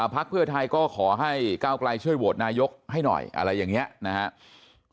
พักเพื่อไทยก็ขอให้ก้าวไกลช่วยโหวตนายกให้หน่อยอะไรอย่างนี้นะครับ